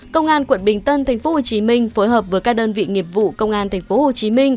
công an quận bình tân tp hcm phối hợp với các đơn vị nghiệp vụ công an tp hcm